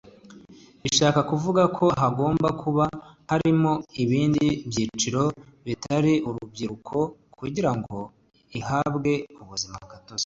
bishaka kuvuga ko hagomba kuba harimo ibindi byiciro bitari urubyiruko kugira ngo ihabwe ubuzima gatozi